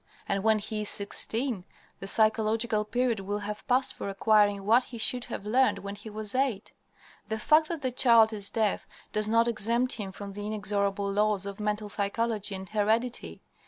And when he is sixteen, the psychological period will have passed for acquiring what he should have learned when he was eight. The fact that the child is deaf does not exempt him from the inexorable laws of mental psychology and heredity.